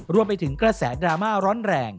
รวมไปถึงกระแสดราม่าร้อนแรง